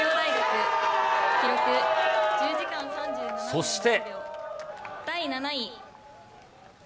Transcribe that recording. そして。